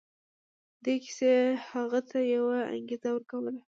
دې کيسې هغه ته يوه انګېزه ورکوله.